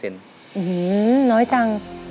น้อยจัง